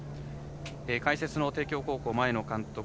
解説の帝京高校前の監督